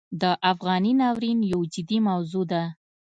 د افغانۍ ناورین یو جدي موضوع ده.